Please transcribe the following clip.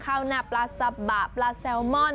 เข้าหน้าประสับปะปลาแซมอน